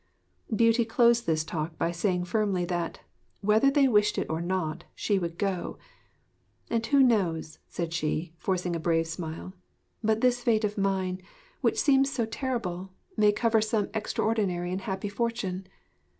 Beauty closed this talk by saying firmly that, whether they wished it or not, she would go 'And who knows,' said she, forcing a brave smile, 'but this fate of mine, which seems so terrible, may cover some extraordinary and happy fortune?'